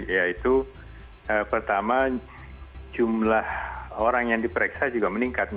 yaitu pertama jumlah orang yang diperiksa juga meningkat